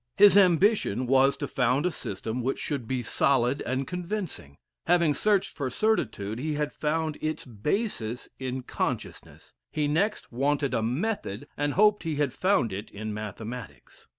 His ambition was to found a system which should be solid and convincing. Having searched for certitude, he had found its basis in consciousness; he next wanted a method, and hoped he had found it in mathematics.